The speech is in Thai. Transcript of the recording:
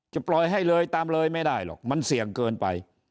ปล่อยให้เลยตามเลยไม่ได้หรอกมันเสี่ยงเกินไป